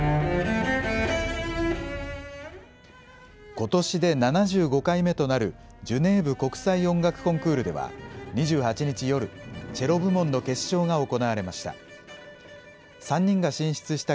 ことしで７５回目となるジュネーブ国際音楽コンクールでは、２８日夜、チェロ部門の決勝が行われました。